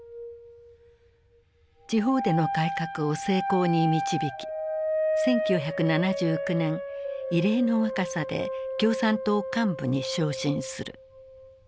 地方での改革を成功に導き１９７９年異例の若さで共産党幹部に昇進する。